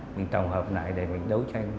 mình trồng hợp lại để mình đấu tranh